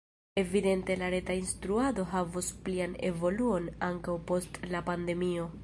Evidente la reta instruado havos plian evoluon ankaŭ post la pandemio.